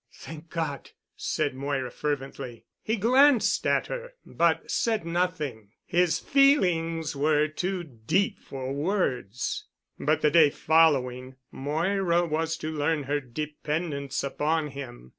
"Thank God," said Moira fervently. He glanced at her but said nothing. His feelings were too deep for words. But the day following, Moira was to learn her dependence upon him.